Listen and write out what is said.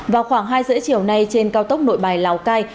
vào khoảng hai h ba mươi chiều nay trên cao tốc nội bài lào cai